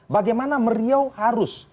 bagaimana meriau harus